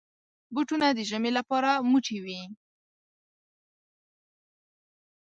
بوټونه د ژمي لپاره موټي وي.